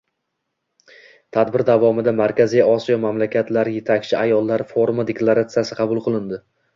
Tadbir davomida Markaziy Osiyo mamlakatlari yetakchi ayollari forumi deklaratsiyasi qabul qilindi